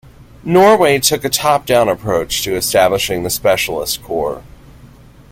Norway took a top-down approach to establishing the Specialist Corps.